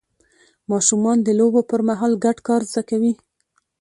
ماشومان د لوبو پر مهال ګډ کار زده کوي